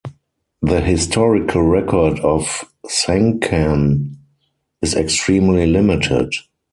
The historical record of Sengcan is extremely limited.